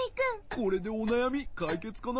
これでおなやみかいけつかな？